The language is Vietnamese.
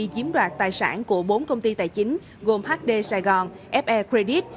chiếm đoạt tài sản của bốn công ty tài chính gồm hd sài gòn fe credit